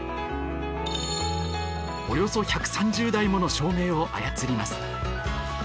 およそ１３０台もの照明を操ります。